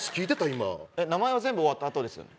今名前は全部終わったあとですよね